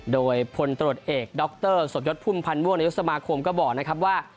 โดยพลตรวจเอกดรสมยศพุ่มพันธ์ม่วงนายกสมาคมก็บอกนะครับว่า